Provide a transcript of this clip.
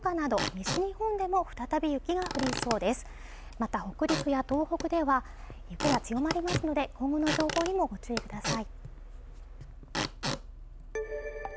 また北陸や東北では雪が強まりますので今後の情報にもご注意ください